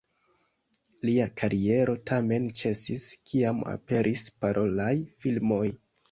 Lia kariero tamen ĉesis, kiam aperis parolaj filmoj.